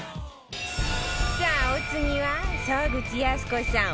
さあお次は沢口靖子さん